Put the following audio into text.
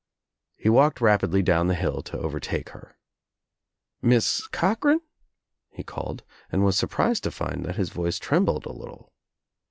He walked rapidly down the hill to over take her. "Miss Cochran," he called, and was sur prised to find that his voice trembled a little.